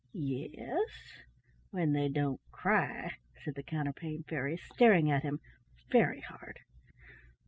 "Yes, when they don't cry," said the Counterpane Fairy, staring at him very hard.